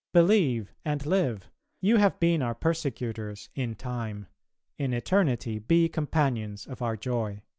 .... Believe and live; you have been our persecutors in time; in eternity, be companions of our joy."